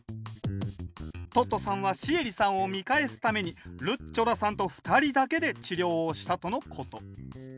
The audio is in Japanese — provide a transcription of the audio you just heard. トットさんはシエリさんを見返すためにルッチョラさんと２人だけで治療をしたとのこと。